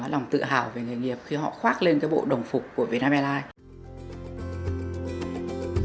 lòng tự hào về nghề nghiệp khi họ khoác lên cái bộ đồng phục của vietnam airlines